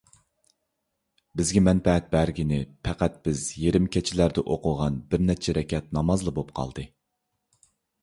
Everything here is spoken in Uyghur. بىزگە مەنپەئەت بەرگىنى پەقەت بىز يېرىم كېچىلەردە ئوقۇغان بىر نەچچە رەكەت نامازلا بولۇپ قالدى.